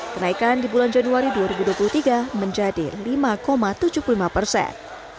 kenaikan di bulan januari dua ribu dua puluh tiga menjadi lima tujuh puluh lima persen